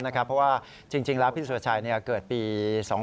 เพราะว่าจริงพี่สุรชัยเกิดปี๒๔๙๙